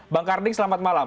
bang karding selamat malam